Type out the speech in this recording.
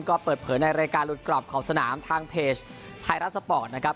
ก็เปิดเผยในรายการหลุดกรอบของสนามทางเพจไทยรัฐสปอร์ตนะครับ